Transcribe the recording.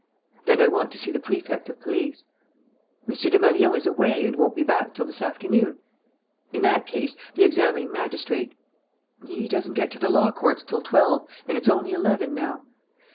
"Then I want to see the Prefect of Police." "M. Desmalions is away and won't be back till this afternoon." "In that case the examining magistrate." "He doesn't get to the law courts till twelve; and it's only eleven now."